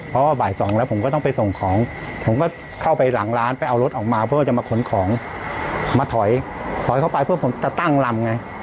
เพราะว่าบ่ายสองแล้วผมก็ต้องไปส่งของผมก็เข้าไปหลังร้านไปเอารถออกมาเพื่อจะมาขนของมาถอยถอยเข้าไปเพื่อผมจะตั้งลำไง